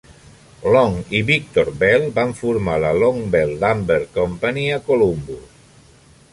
Long i Victor Bell van formar la Long-Bell Lumber Company a Columbus.